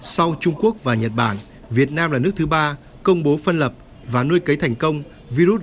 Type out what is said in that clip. sau trung quốc và nhật bản việt nam là nước thứ ba công bố phân lập và nuôi cấy thành công virus